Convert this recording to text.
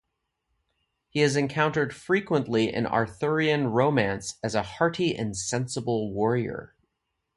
He is encountered frequently in Arthurian romance as a hearty and sensible warrior.